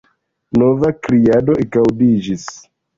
Nova kriado ekaŭdiĝis.